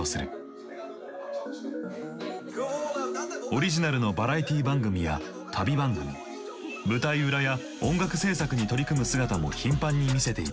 オリジナルのバラエティー番組や旅番組舞台裏や音楽制作に取り組む姿も頻繁に見せている。